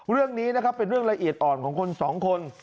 เรื่องนี้นะครับเป็นเรื่องละเอียดอ่อนของคนสองคน